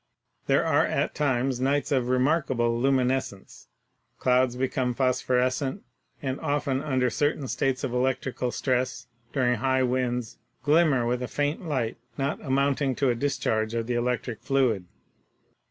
"There are at times nights of remarkable luminescence. Clouds become phosphorescent, and often under certain states of electric stress, during high winds, glimmer with a faint light not amounting to a discharge of the electric fluid.